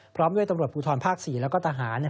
พร้อมด้วยตำรวจภูทรภาค๔แล้วก็ทหาร